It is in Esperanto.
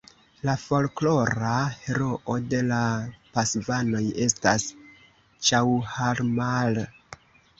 La folklora heroo de la Pasvanoj estas Ĉaŭharmal.